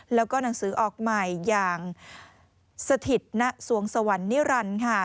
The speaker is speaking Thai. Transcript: แล้วก็หนังสือออกใหม่อย่างสถิตณสวงสวรรค์นิรันดิ์ค่ะ